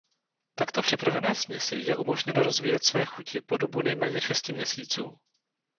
Takto připravené směsi je umožněno rozvíjet své chuti po dobu nejméně šesti měsíců.